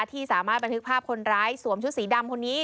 ที่สามารถบันทึกภาพคนร้ายสวมชุดสีดำคนนี้